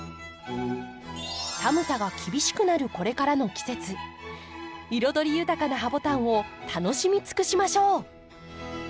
寒さが厳しくなるこれからの季節彩り豊かなハボタンを楽しみつくしましょう！